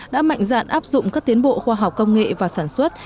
đã mạnh dạn áp dụng các tiến bộ khoa học công nghệ và sản xuất